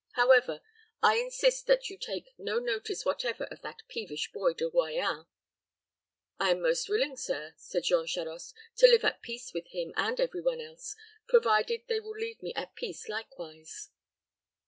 However, I must insist that you take no notice whatever of that peevish boy, De Royans." "I am most willing, sir," said Jean Charost, "to live at peace with him and every one else, provided they will leave me at peace likewise.